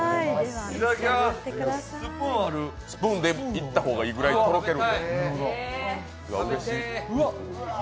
スプーンで行った方がいいぐらいとろける。